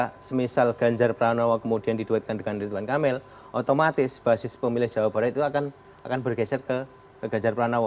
dan ketika semisal ganjar pranowo kemudian diduetkan dengan erituan kamil otomatis basis pemilih jawa barat itu akan bergeser ke ganjar pranowo